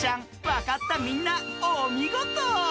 わかったみんなおみごと。